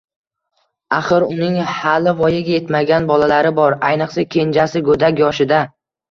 Axir uning hali voyaga yetmagan bolalari bor, ayniqsa kenjasi goʻdak yoshida